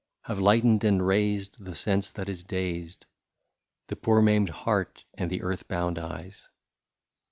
Have lightened and raised the sense that is dazed, The poor maimed heart and the earth bound eyes.